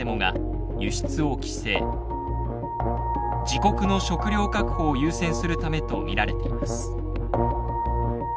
自国の食料確保を優先するためと見られています。